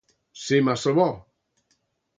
Ser massa bo.